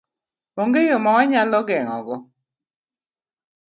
Onge yo ma wanyalo geng'e go?